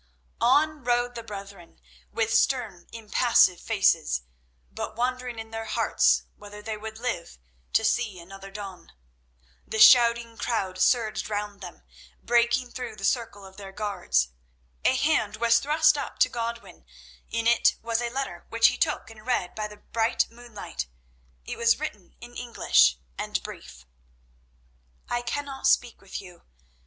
On rode the brethren, with stern, impassive faces, but wondering in their hearts whether they would live to see another dawn. The shouting crowd surged round them, breaking through the circle of their guards. A hand was thrust up to Godwin; in it was a letter, which he took and read by the bright moonlight. It was written in English, and brief: "I cannot speak with you.